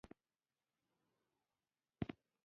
خو ته لا هم هماغه لیاخوف یې او خدمت کوې